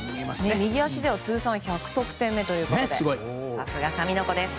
右足では通算１００得点目ということでさすが神の子です。